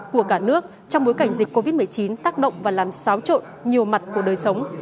của cả nước trong bối cảnh dịch covid một mươi chín tác động và làm xáo trộn nhiều mặt của đời sống